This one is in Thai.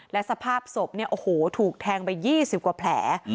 และสภาพศพเนี่ยโอ้โหถูกแทงไป๒๐กว่าแผล